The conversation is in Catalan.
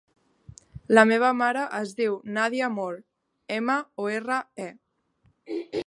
La meva mare es diu Nàdia More: ema, o, erra, e.